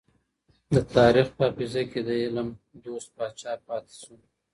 د تاريخ په حافظه کې د علم دوست پاچا پاتې شو.